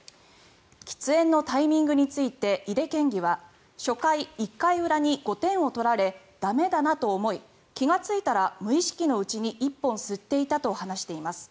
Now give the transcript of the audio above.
喫煙のタイミングについて井手県議は初回、１回裏に５点を取られ駄目だなと思い気がついたら無意識のうちに１本吸っていたと話しています。